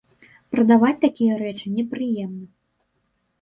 Прадаваць такія рэчы непрыемна.